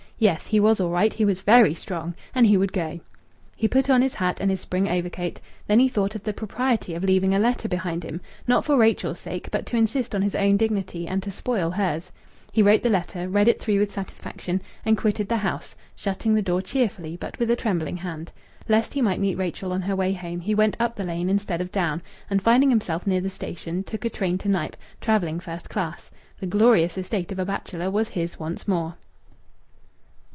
Yes, he was all right; he was very strong! And he would go. He put on his hat and his spring overcoat. Then he thought of the propriety of leaving a letter behind him not for Rachel's sake, but to insist on his own dignity and to spoil hers. He wrote the letter, read it through with satisfaction, and quitted the house, shutting the door cheerfully, but with a trembling hand. Lest he might meet Rachel on her way home he went up the lane instead of down, and, finding himself near the station, took a train to Knype travelling first class. The glorious estate of a bachelor was his once more.